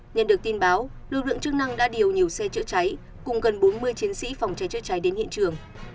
nhận được tin báo lực lượng chức năng đã điều nhiều xe chữa cháy cùng gần bốn mươi chiến sĩ phòng cháy chữa cháy đến hiện trường